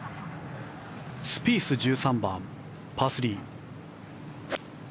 スピース、１３番、パー３。